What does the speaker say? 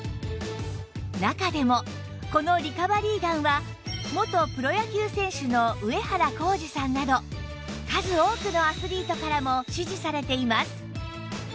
中でもこのリカバリーガンは元プロ野球選手の上原浩治さんなど数多くのアスリートからも支持されています